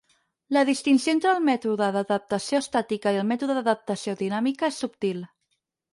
La distinció entre el mètode d'adaptació estàtica i el mètode d'adaptació dinàmica és subtil.